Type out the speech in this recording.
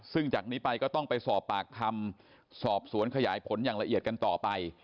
ซึ่งจากนี้ไปก็ต้องไปสอบปากคำสอบสวนขยายผลอย่างละเอียดกันต่อไป